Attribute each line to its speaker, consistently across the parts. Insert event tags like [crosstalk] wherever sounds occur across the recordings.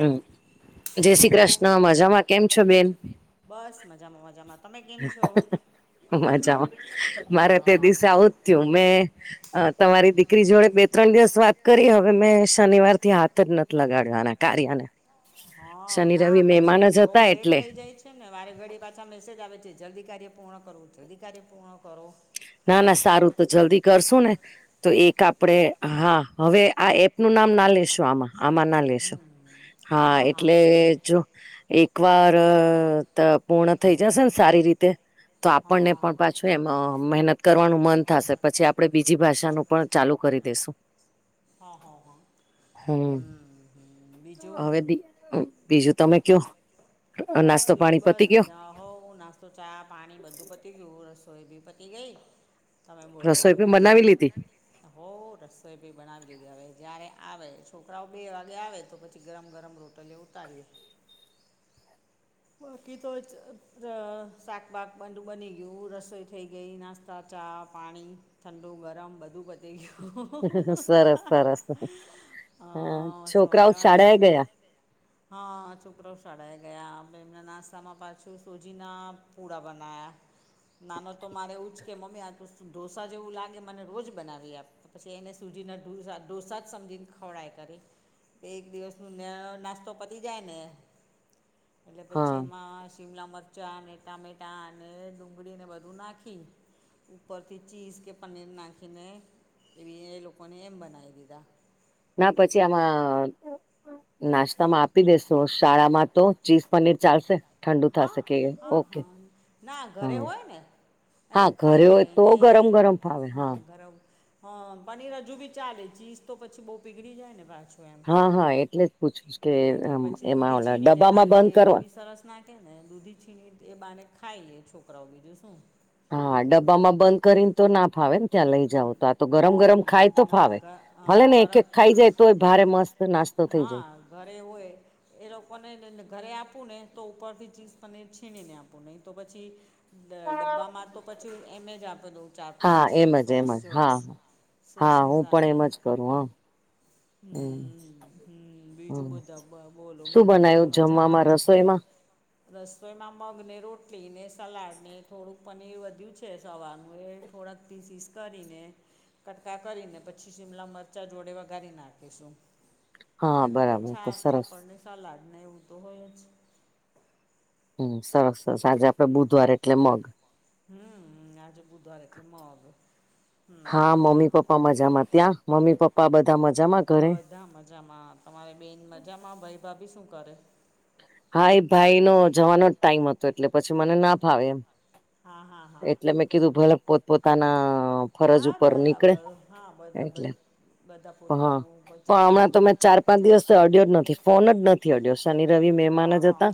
Speaker 1: હમ જય શ્રી કૃષ્ણ મજામાં કેમ છો બેન
Speaker 2: બસ મજામાં મજામાં
Speaker 1: મજામાં મારે તે દિવસે આવું મેં તમારી દીકરી જોડે બે ત્રણ દિવસ વાત કરી હવે મેં શનિવાર થી હાથ જ નથી લગાડવાનો કાર્યને
Speaker 2: હા ના પછી બહુ લેટ થઇ જાય છે. છે ને મારે ઘડી પાછા મેસેજ આવે છે જલ્દી કાર્ય પૂર્ણ કરવું જલ્દી કાર્ય પૂર્ણ કરો.
Speaker 1: ના ના સારું તો જલ્દી કરશું ને તો એક આપડે હા હવે આ એપનું નામ ના લેશું આમાં આમાં ના લેશું હા એટલે જો એક વાર ત પૂર્ણ થઈ જશે ને સારી રીતે તો આપણને પણ પાછું એમ મહેનત કરવાનું મન થશે પછી આપડે બીજી ભાષાનું પણ ચાલુ કરી દેસું.
Speaker 2: હા હા હા હમ હ બીજું
Speaker 1: બીજું તમે કયો
Speaker 2: બસ બીજું બસ [unintelligible] હો નાસ્તો તો ચા પાણી બધું પતી ગયું રસોઈ બી પતી ગઈ. તમે બોલો હવે [inaudible] હવ રસોઈભી બનાવી દીધી હવે જયારે આવે છોકરાઓ બે વાગે આવે તો પછી ગરમ ગરમ રોટી પલે ઉતારીએ બાકી તો શાકબાક બની ગયું રસોઈ થઈ ગઈ નાસ્તો તો ચા પાણી ઠંડુ ગરમ બધું [unintelligible] હા છોકરાઓ શાળાએ ગયા હ એમના નાસ્તામાં પાછું સોજીના પૂડા બનાયા નાનો તો મારે એવું જ કે મમ્મી આ તું ઢોસા જેવું લાગે મને રોજ બનાવી આપ પછી એને સુજીના ઢોસા ઢોસા જ સમજીને ખોડાય કરી તો એક દિવસનો નાસ્તો પતી જાય ને એટલે પછી એમાં શીમલા મરચાં અને ટામેટાં અને ડુંગળીને બધું નાખી. ઉપરથી ચીઝ કે પનીર નાખીને એવી એ લોકોને એમ બનાવી દીધા.
Speaker 1: ના પછી આમાં નાસ્તામાં આપી દેસો શાળામાં તો ચીઝ પનીર ચાલશે?
Speaker 2: હા, હા, હા ના ઘરે હોય ને અરે ખાઈ જાય ને હા ઘરે. હા પનીર હજુ બી ચાલે ચીઝ તો પછી બહુ પીગળી જાયને પાછું. એટલે પછી દૂધી છીણીને નાખીએ તોભી સરસ ના કે ને દૂધી છીણી એ બાને ખાઈ લે છોકરાઓ બીજું શું.
Speaker 1: હા ડબ્બામાં બંધ કરીને તો ના ફાવે ને. ત્યાં લઈ જાવ તો આ તો ગરમ ગરમ ખાય તો ફાવે ભલે ને એક એક ખાઈ જાય તોય ભારે મસ્ત
Speaker 2: હા ઘરે હોય. એ લોકોને ઘરે આપું ને તો ઉપરથી ચીઝ તને છીણીને આપું નહી તો પછી દ ડબ્બામાં તો પછી એમ જ આપો દઉ ચાર પાંચ સોસ જોડે. સોસની સાથે હમ્મ હમ બીજું બધા બોલો મમ્મી પપ્પા મજામાં. રસોઈમાં મગ ને, રોટલી ને, સલાડ ને, થોડુંક પનીર વધ્યું છે સવારનું એ થોડાક પીસીસી કરીને કટકા કરીને પછી શીમલા મરચાં જોડે વગાારી નાખીશું. બાકી તો છાસ પાપડને સલાડને એવું તો હોય જ.
Speaker 1: હમ સરસ સરસ સાંજે આપડે બુધવાર એટલે મગ.
Speaker 2: હમ આજે બુધવારે એટલે મગ હ હ.
Speaker 1: મજામા ત્યાં મમ્મી પપ્પા બધા મજા
Speaker 2: બધા મજામાં તમારી બેન મજામાં ભાઈ ભાભી શું કરે?
Speaker 1: હા એ ભાઈનો જવાનો જ ટાઈમ હતો એટલે પછી મને ના ફાવે એમ. એટલે મેં કીધું ભલે પોત પોતાના ફરજ ઉપર નીકળે એટલે હા પણ હમણાં તો મે ચાર પાંચ દિવસ તો અડ્યો જ નથી ફોન જ નથી અડ્યો શનિ રવિ મે જ હતા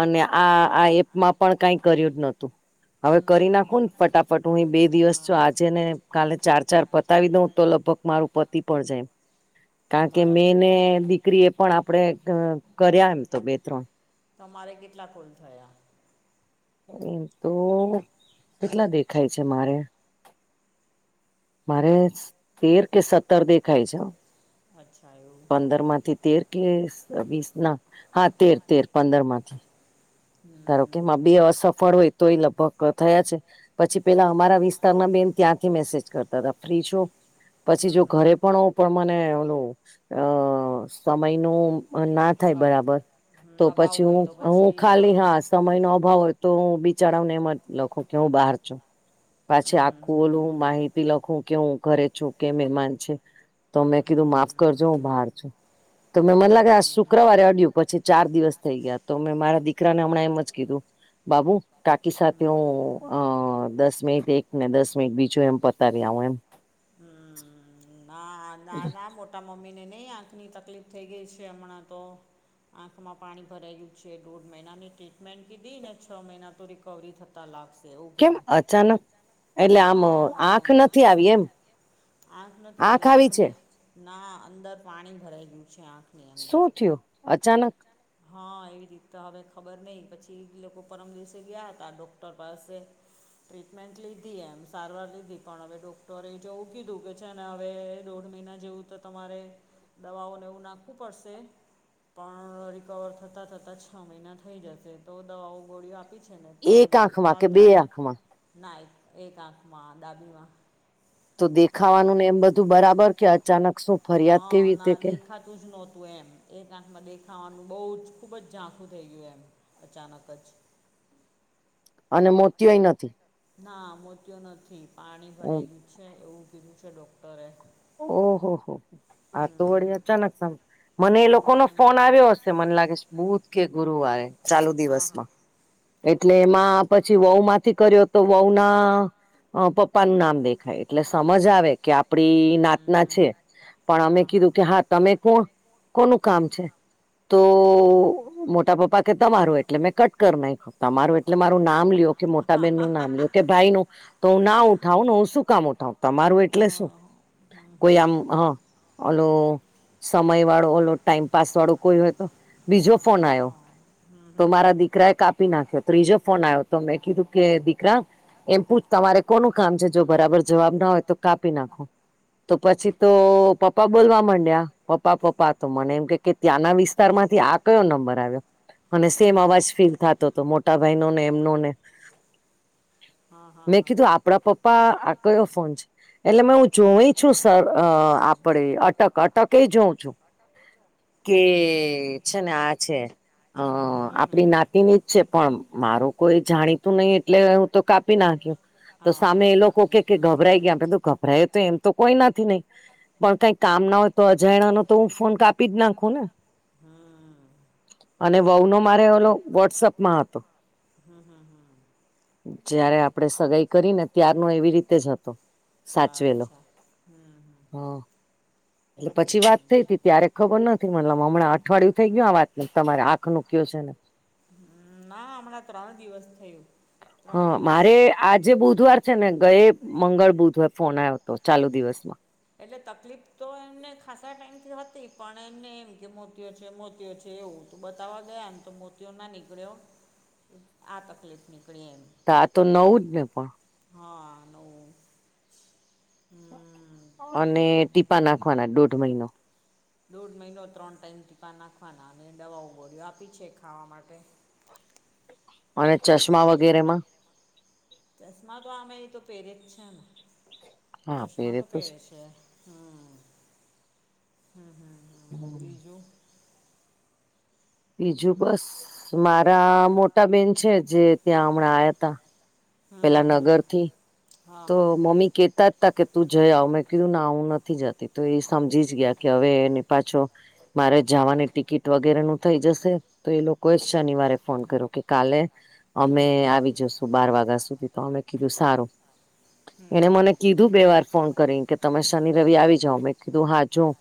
Speaker 1: અને આ એપમાં પણ કઈ કર્યું જ નોતું. હવે કરી નાખું ને ફટાફટ હું એ બે દિવસ છું આજે ને કાલે ચાર ચાર પતાવી દઉં તો લગભગ મારું પતિ પણ જાય. કારણ કે મેં ને દીકરી એ પણ આપણેે કર્યા એમ તો બે ત્રણ.
Speaker 2: તમારે કેટલા કોલ થયા?
Speaker 1: એમ તો કેટલા દેખાય છે મારે. મારે તેર કે સત્તર દેખાય છે. પંદર માંથી તેર કે વીસના હા તેર તેર પંદર માંથી. ધારો કેમાં બે અસફળ હોય તો એ લગભગ થયા છે. પછી પેલા અમારા વિસ્તારના બેન ત્યાંથી મેસેજ કરતા હતા ફ્રી છો? પછી જો ઘરે પણ પણ મને ઓલું અ સમયનું ના થાય બરાબર તો પછી હું હું ખાલી સમયનો અભાવ હોય તો હું બિચારાવને એમ જ લખું કે હું બહાર છું. પાછી આખું ઓલું માહિતી લખું કે હું ઘરે છું કે મહેમાન છે. તો મેં કીધું માફ કરજો હું બહાર છું તો મને લાગે આ શું ક્રવારે અડ્યું પછી ચાર દિવસ થઈ ગયા તો મેં મારા દીકરાને હમણાં એમ જ કીધું બાબુ કાકી સાથે હું અ દસ મિનિટ એક ને દસ મિનિટ બીજું એમ પતાવી આવું એમ.
Speaker 2: હમ્મ ના ના ના મોટ મમ્મીને નઈ આંખની તકલીફ થઈ ગઈ છે. હમણાં તો આંખમાં પાણી ભરાયલુ છે. દોઢ મહિનાની ટ્રીટમેન્ટ કીધી ને છ મહિના તો રિકવરી થતા લાગશે એવું કીધું હા. આંખ નથી આવી આંખની ના અંદર પાણી ભરાઈ ગયું છે આંખ
Speaker 1: શું થીયું? અચાનક.
Speaker 2: હા એવી રીત તો હવે ખબર નહી પછી એ લોકો પરમ દિવસે ગયા હતા ડોક્ટર પાસે. ટ્રીટમેન્ટ લીધી એમ સારવાર લીધી પણ હવે ડોક્ટરે એ જ એવું કીધું કે છે અને હવે દોઢ મહિના જેવું તો તમારે દવાઓને એવું નાખવું પડશે. પણ રિકવર થતા થતા છ મહિના થઈ જશે તો દવાઓ ગોળીઓ આપી છે ને ત્રણ દિવસ ત્રણ-ત્રણ ના એક એક આંખમાં ડાબીમાં.
Speaker 1: તો દેખાવાનું ને એમ બધું બરાબર? કે અચાનક શું ફરિયાદ કેવી રીતે કે.
Speaker 2: દેખા તુજ નહોતું એમ એક આંખમાં દેખાવાનું બહુ જ ખુબ જ ઝાંખું થઈ ગયું એમ. અચાનક જ.
Speaker 1: અને મોતીયો એ નથી.
Speaker 2: ના મોતયો નથી પાણી ભરાઈ ગયું છે એવું કીધું છે ડોક્ટરે.
Speaker 1: ઓહો હો આ તો વળી અચાનક સા મને એ લોકો નો ફોન આવ્યો હશે. મને લાગે છે બુધ કે ગુરુવારે ચાલુ દિવસમાં. એટલે એમાં પછી વહુ માંથી કર્યો તો વહુ ના પ્પ પ્પા નું નામ દેખાય એટલે સમજ આવે કે આપડી. નાત ના છે પણ અમે કીધું કે હા તમે કોણ? કોનું કામ છે? તો મોટા પપ્પા કે તમારું એટલે મેં કટ કર નાખ્યો. તમારું એટલે મારું નામ લ્યો. કે મોટાબહેન નું નામ લ્યો કે ભાઈ ન તો હું ના ઉઠાવું ને હું શું કામ ઉઠાવું? તમારું એટલે શું? કોઈ આમ હા. ઓલો સમય વાળો ઓલો ટાઈમ પાસ વાળું કોઈ હોય તો. બીજો ફોન આયો તો મારા દીકરા એ કાપી નાખ્યો ત્રીજો ફોન આવ્યો. તો મેં કીધું કે દીકરા. એમ પૂછ તમારે કોનું કામ છે? જો બરાબર જવાબ ના હોય તો કાપી નાખો. તો પછી તો પપ્પા બોલવા માંડ્યા પ્પા પપ્પા પપ્પા તો મને એમ કે, કે ત્યાંના વિસ્તાર માંથી આ કયો નંબર આવ્યો! અને સેમ અવાજ ફીલ થતો હતો મોટા ભાઈનો ને, એમનો ને. મેં કીધું આપડા પપ્પા આ કયો ફોન છે એટલે મે હું જોય છુ સર અ આપણેે અટક અટકે જોઉં છું. કે છે ને આ છે અ આપણી નાતિની. છે પણ મારું કોઈ જાણીતું નહી એટલે હું તો કાપી નાખ્યો. તો સામે એ લોકો કે ગભરાઈ ગયા મે કીધુ ગભરાય તો એમ તો કોઈ નથી નહી પણ કઈક કામ ના હોય તો અજાયણા નો તો હું ફોન કાપી જ નાખું ને! અને વહુ નો મારે ઓલો વોટસએપમાં હતો.
Speaker 2: હમ હમ હમ.
Speaker 1: જયારે આપડે સગાઈ કરી ને ત્યારનો એવી રીતે જ હતો.
Speaker 2: હા અચ્છા હમ હમ.
Speaker 1: હો. એટલે પછી વાત થઈ તી ત્યારે ખબર નથી મતલબ હમણાં અઠવાડિયું થઈ ગયું આ વાત ની તમારે આંખ નું કયો છે ને. હ [inaudible] [inaudible]
Speaker 2: હમ ના હમણાં ત્રણ દિવસ થયું ત્રણ દિવસ.
Speaker 1: આજે બુધવાર છે ને ગયે મંગળ બુધવાર ફોન આવ્યો હતો ચાલુ દિવસમાં.
Speaker 2: એટલે તકલીફ તો એમને ખાસા ટાઈમથી હતી પણ એમને એમ કે મોત્યો છે મોત્યો છે એવું. તો બતાવવા ગયા ને તો મોતીઓ ના નીકળ્યો આ તકલીફ નીકળી એમ.
Speaker 1: તો આ તો નવું જ ને પણ.
Speaker 2: હા નવું હમ.
Speaker 1: અને ટીપા નાખવાના દોઢ મહિનો.
Speaker 2: દોઢ મહિનો ત્રણ ટાઈમ ટીપા નાખવાના અને દવાઓ ગોરિયો આપી છે ખાવા માટે.
Speaker 1: અને ચશ્મા વગેરેમાં-
Speaker 2: ચશ્મા તો આમે એ તો પહેરે જ છે ને ચશ્મા તો પહેરે છે. હા હા હા-
Speaker 1: હમ [unintelligible] બીજું બસ મારા મોટા બેન છે જે ત્યાં હમણાં આયા હતાં- પેલા નગરથી તો મમ્મી કેતા- કે તું જઈ આવ મેં કીધું ના આવું નથી જતી તો એ સમજી જ ગયા કે હવે એને પાછો- મારે જવાની ટિકિટ વગેરેનું થઇ જશે- તો એ લોકોએ શનિવારે ફોન કર્યો કે કાલે- અમે આવી જશું બાર વાગ્યા સુધી તો અમે કીધું સારું- એણે મને કીધું બે વાર ફોન કરી કે તમે શનિ રવિ આવી જાવ મેં કીધું હા જોમ-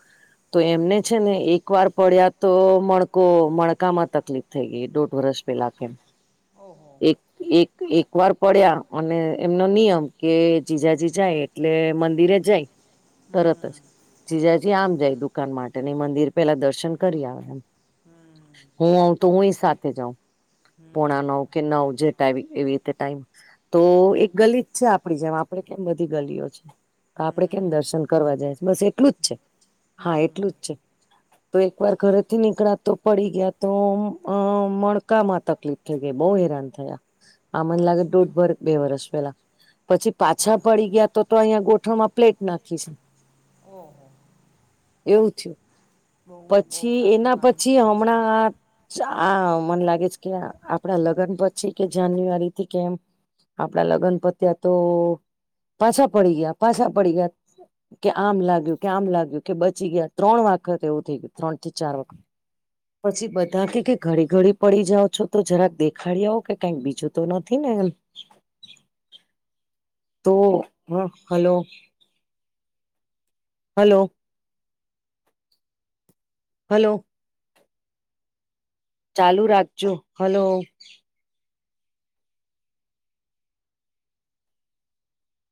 Speaker 1: તો એમને છે ને એક- એક વાર પડ્યા તો મણકો મણકામાં તકલીફ થઈ ગઈ દોઢ વરષ પેલા કેમ-
Speaker 2: ઓહો-
Speaker 1: એક એક વાર પડ્યા અને એમનો નિયમ- કે જીજાજી જાય એટલે મંદિરે જાય તરત જ- જીજાજી આમ જાય દુકાન માટે ને મંદિર પેલા દર્શન કરી આવે એમ-
Speaker 2: હમ
Speaker 1: હું આવ તો હુંય સાથે જઉં- પોણા નવ કે નવ જે એવી રીતે ટાઈમ તો એક ગલી- છે આપણી જેમ આપણે કેમ બધી ગલીઓ છે. આપણે કેમ દર્શન કરવા જાય બસ એટલું જ છે હા એટલું જ છે. તો એક વાર ઘરે થી નીકળા તો પડી ગયા તો અ મણકામાં તકલીફ- જો કે બઉ હેરાન થયા.
Speaker 2: હ [unintelligible]
Speaker 1: આમને લાગે દોઢ વર બે વરસ પેલા- પછી પાછા પડી ગયા તો તો અહીયાં ગોઠણમાં પ્લેટ નાખી છે. એવું થયું પછી એના પછી હમણાં- આ મને લાગે છે કે આપણા લગ્ન પછી કે જાન્યુઆરી થી કેમ આપણાં લગ્ન પત્યા તો પાછાં પડી ગયા પાછાં પડી ગયાં- કે આમ લાગ્યું કે આમ લાગ્યું કે બચી ગયા ત્રણ વખત એવું થઈ ગયું ત્રણ થી ચાર વખત- પછી બધાં કેય ઘડી ઘડી પડી જાઓ છો તો જરાક દેખાડી આવ કે કંઈક બીજું તો નથી ને [unintelligible] તો હ હલો- હલો હલો ચાલુ રાખજો હલો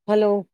Speaker 1: હલો